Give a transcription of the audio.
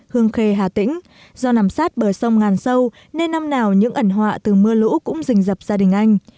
hương khê là nơi nằm sát bờ sông ngàn sâu nên năm nào những ẩn họa từ mưa lũ cũng dình dập gia đình anh